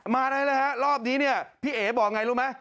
มาได้เลยครับรอบนี้พี่เอ๋บอกไงรู้ไหม